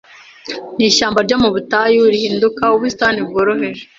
Nishyamba ryo mu butayu rihinduka ubusitani bworoheje